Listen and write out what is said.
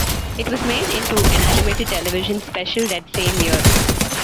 It was made into an animated television special that same year.